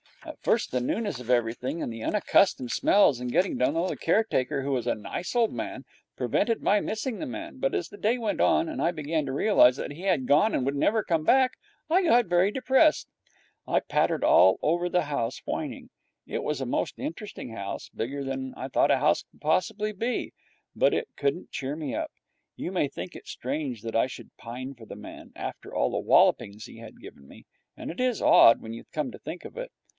At first the newness of everything and the unaccustomed smells and getting to know the caretaker, who was a nice old man, prevented my missing the man, but as the day went on and I began to realize that he had gone and would never come back, I got very depressed. I pattered all over the house, whining. It was a most interesting house, bigger than I thought a house could possibly be, but it couldn't cheer me up. You may think it strange that I should pine for the man, after all the wallopings he had given me, and it is odd, when you come to think of it.